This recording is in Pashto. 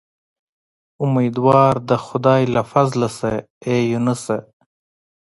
امیدوار د خدای له فضله شه اې یونسه.